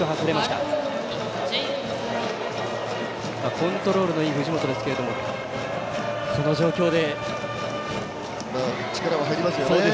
コントロールのいい藤本ですけれども力は入りますよね。